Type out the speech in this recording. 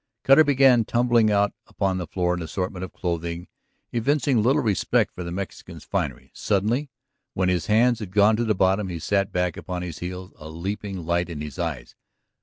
Cutter began tumbling out upon the floor an assortment of clothing, evincing little respect for the Mexican's finery. Suddenly, when his hands had gone to the bottom, he sat back upon his heels, a leaping light in his eyes.